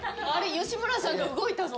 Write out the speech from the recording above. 吉村さんが動いたぞ。